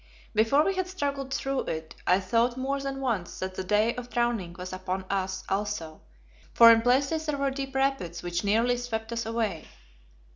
Before we had struggled through it I thought more than once that the day of drowning was upon us also, for in places there were deep rapids which nearly swept us away.